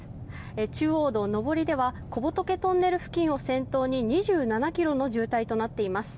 中央道上りでは小仏トンネル付近を先頭に２７ｋｍの渋滞となっています。